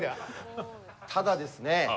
ただですね